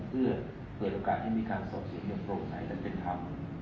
เพื่อเปิดโอกาสให้มีคำสอบเสียงเรียนโปร่งไทยและเป็นธรรม